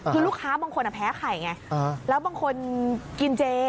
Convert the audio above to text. คือลูกค้าบางคนแพ้ไข่ไงแล้วบางคนกินเจ